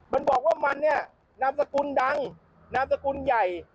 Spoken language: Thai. มันบอกว่ามันน้ำสกุลดังน้ำสกุลใหญ่